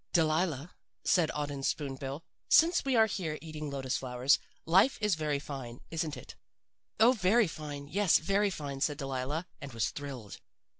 "'Delilah,' said Auden Spoon bill, 'since we are here eating lotus flowers, life is very fine, isn't it?' "'Oh, very fine yes, very fine,' said Delilah, and was thrilled.